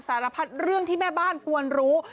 สารพัดเรื่องที่แม่บ้านควรรู้